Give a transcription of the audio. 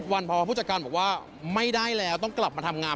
วันพอผู้จัดการบอกว่าไม่ได้แล้วต้องกลับมาทำงาน